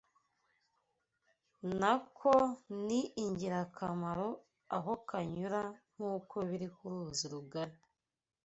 na ko ni ingirakamaro aho kanyura nk’uko biri ku ruzi rugari